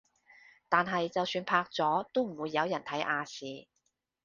但係就算拍咗都唔會有人睇亞視